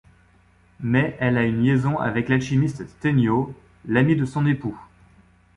Mais elle a une liaison avec l'alchimiste Stenio, l'ami de son époux.